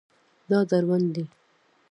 دا دروند دی